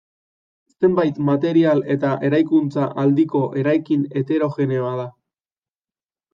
Zenbait material eta eraikuntza-aldiko eraikin heterogeneoa da.